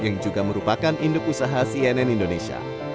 yang juga merupakan induk usaha cnn indonesia